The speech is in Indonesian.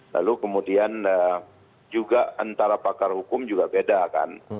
lalu kemudian juga antara pakar hukum juga beda kan